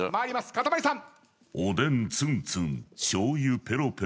かたまりさん。